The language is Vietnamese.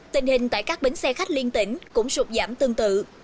tình hình tại các bến xe khách liên tỉnh cũng sụt giảm tương tự